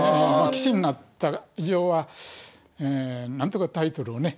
棋士になった以上はなんとかタイトルをね